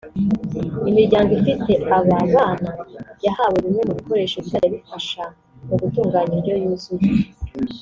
Imiryango ifite aba bana yahawe bimwe mu bikoresho bizajya bifasha mu gutunganya indyo yuzuye